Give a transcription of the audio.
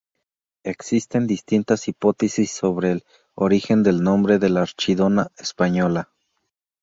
Existen distintas hipótesis sobre el origen del nombre de la Archidona española.